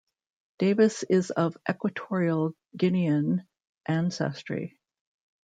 Davis is of Equatorial Guinean ancestry.